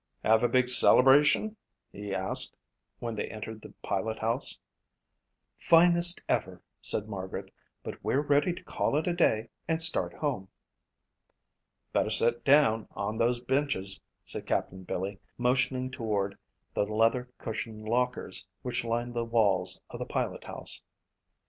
"Have a big celebration?" he asked when they entered the pilot house. "Finest ever," said Margaret, "but we're ready to call it a day and start home." "Better set down on those benches," said Captain Billy, motioning toward the leather cushioned lockers which lined the walls of the pilot house.